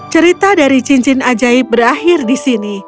cerita dari cincin ajaib berakhir di sini